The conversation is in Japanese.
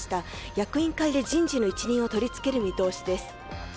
役員会で人事の一任を取り付ける見通しです。